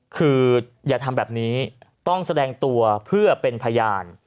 คืออย่าทำแบบนี้ต้องแสดงตัวเพื่อเป็นพยาน